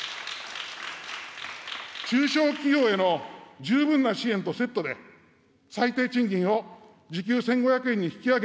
中小企業への十分な支援とセットで、最低賃金を時給１５００円に引き上げ、